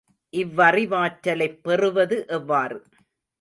இவ்வறிவாற்றலைப் பெறுவது எவ்வாறு?